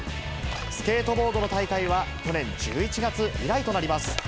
スケートボードの大会は去年１１月以来となります。